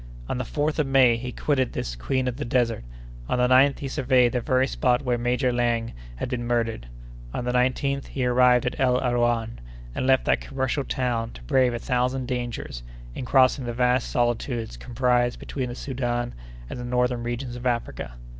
On the 4th of May he quitted this 'Queen of the desert;' on the 9th, he surveyed the very spot where Major Laing had been murdered; on the 19th, he arrived at El Arouan, and left that commercial town to brave a thousand dangers in crossing the vast solitudes comprised between the Soudan and the northern regions of Africa.